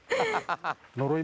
呪い？